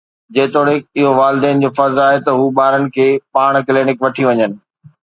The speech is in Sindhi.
جيتوڻيڪ اهو والدين جو فرض آهي ته هو ٻارن کي پاڻ ڪلينڪ وٺي وڃن.